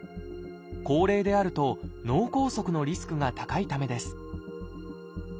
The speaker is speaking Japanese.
高齢であると脳梗塞のリスクが高いためです